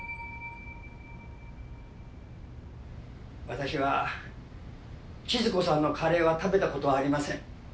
私は千鶴子さんのカレーは食べたことありません。